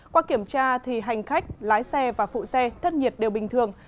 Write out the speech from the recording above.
qua kiểm tra hành khách lái xe và phụ xe thất nhiệt đều bình thường